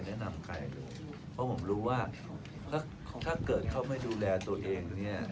ใครเลยเพราะผมรู้ว่าถ้าเกิดเขาไม่ดูแลตัวเองเนี่ย